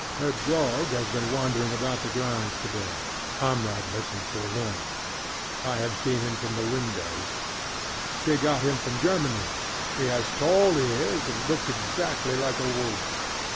Her dog has been wandering about the grounds today, comradeless and forlorn. I have seen him from the windows. She got him from Germany. He has tall ears and looks exactly like a wolf.